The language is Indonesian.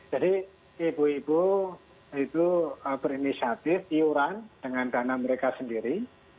jadi ibu ibu itu berinisiatif iuran dengan dana mereka sendiri